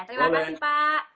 terima kasih pak